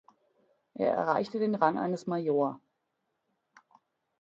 Er erreichte den Rang eines Major.